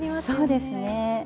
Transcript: そうですね。